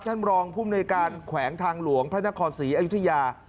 ท่านรองภูมิในการแขวงทางหลวงพระนครศรีอยุธยา